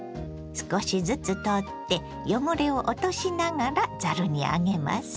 少しずつ取って汚れを落としながらざるに上げます。